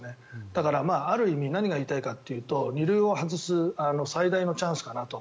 だからある意味何が言いたいかというと２類を外す最大のチャンスかなと。